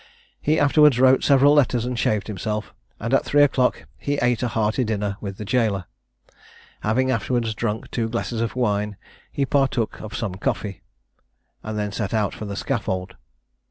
He afterwards wrote several letters and shaved himself, and at three o'clock he ate a hearty dinner with the jailor. Having afterwards drunk two glasses of wine, he partook of some coffee, and then set out for the scaffold.